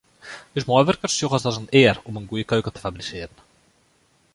Us meiwurkers sjogge it as in eare om in goede keuken te fabrisearjen.